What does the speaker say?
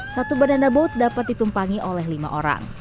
satu bandana boat dapat ditumpangi oleh lima orang